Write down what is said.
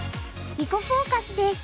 「囲碁フォーカス」です。